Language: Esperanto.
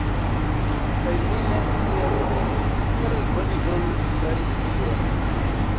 Kaj mi ne scias kial oni volus fari tion.